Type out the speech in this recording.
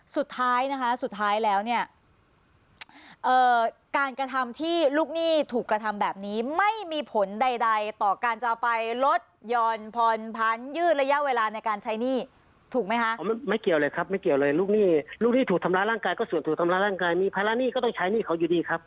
สุดท้ายนะคะสุดท้ายแล้วเนี่ยการกระทำที่ลูกหนี้ถูกกระทำแบบนี้ไม่มีผลใดต่อการจะไปรถยอดพรพันธุ์ยืดระยะเวลาในการใช้หนี้ถูกไหมฮะ